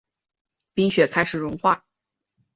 冰雪开始融化